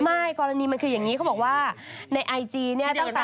กรณีมันคืออย่างนี้เขาบอกว่าในไอจีเนี่ย